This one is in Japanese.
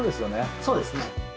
そうですね。